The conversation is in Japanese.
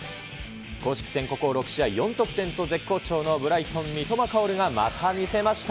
公式戦、ここ６試合４得点と絶好調のブライトン、三笘薫がまた見せました。